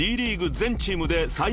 全チームで最年少］